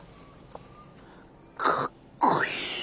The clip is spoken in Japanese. かっこいい！